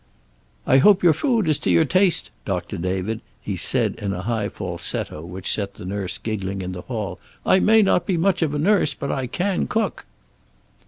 "I hope your food is to your taste, Doctor David," he said, in a high falsetto which set the nurse giggling in the hall. "I may not be much of a nurse, but I can cook."